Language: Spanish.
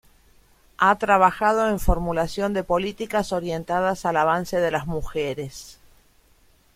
Ha trabajado en formulación de políticas orientadas al avance de las mujeres.